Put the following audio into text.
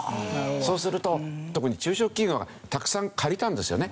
そうすると特に中小企業がたくさん借りたんですよね。